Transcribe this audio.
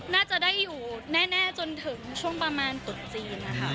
น่าจะได้อยู่แน่จนถึงช่วงประมาณตุดจีนนะคะ